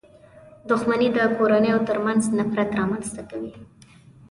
• دښمني د کورنيو تر منځ نفرت رامنځته کوي.